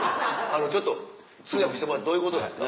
ちょっと通訳してもらってどういうことなんですか？